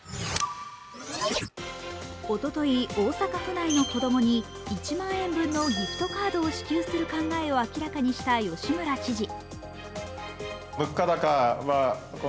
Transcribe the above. おととい、大阪府内の子供に１万円分のギフトカードを支給する考えを明らかにした吉村知事。